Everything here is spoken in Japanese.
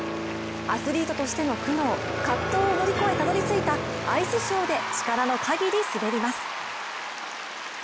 アスリートとしての苦悩・葛藤を乗り越えたどり着いたアイスショーで力のかぎり滑ります。